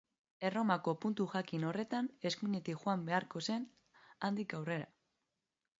Erromako puntu jakin horretan eskuinetik joan beharko zen handik aurrera.